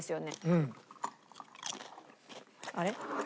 うん。あれ？